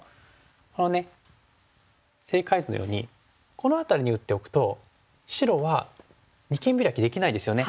この正解図のようにこの辺りに打っておくと白は二間ビラキできないですよね。